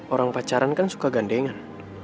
orang pacaran kan suka gandengan